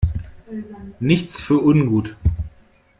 Nichts für ungut!